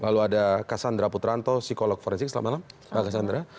lalu ada cassandra putranto psikolog forensik selamat malam pak kassandra